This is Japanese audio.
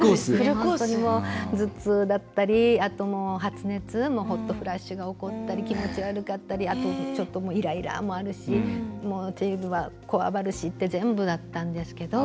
本当にもう、頭痛だったり発熱ホットフラッシュが起こったり気持ち悪かったりあと、イライラもあるし手指はこわばるしって全部だったんですけど。